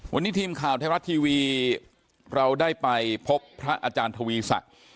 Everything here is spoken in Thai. วันนี้ทีมข่าวไทยรัฐทีวีเราได้ไปพบพระอาจารย์ทวีศักดิ์